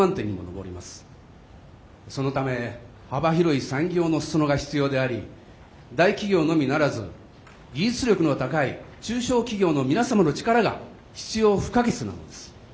そのため幅広い産業の裾野が必要であり大企業のみならず技術力の高い中小企業の皆様の力が必要不可欠なのです。